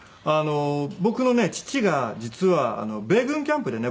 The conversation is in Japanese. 僕のね父が実は米軍キャンプでね